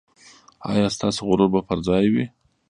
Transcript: ایا ستاسو غرور به پر ځای وي؟